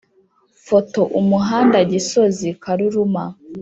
Photo Umuhanda Gisozi Karuruma